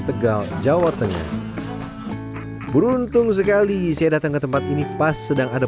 tegal jawa tengah beruntung sekali saya datang ke tempat ini pas sedang ada